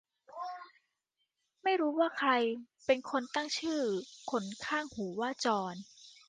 ไม่รู้ว่าใครเป็นคนตั้งชื่อขนข้างหูว่าจอน